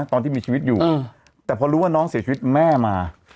ตอนที่มีชีวิตอยู่แต่พอรู้ว่าน้องเสียชีวิตแม่มา